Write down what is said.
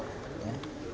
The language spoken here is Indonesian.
jadi harus ada yang diolahin